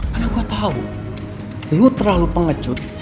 karena gue tau lo terlalu pengecut